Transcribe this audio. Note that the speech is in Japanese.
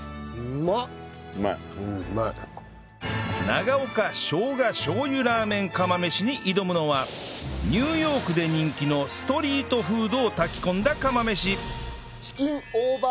長岡生姜醤油ラーメン釜飯に挑むのはニューヨークで人気のストリートフードを炊き込んだ釜飯